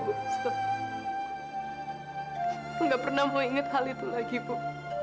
aku nggak pernah mau ingat hal itu lagi bu